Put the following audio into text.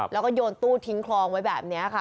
แล้วก็โยนตู้ทิ้งคลองไว้แบบนี้ค่ะ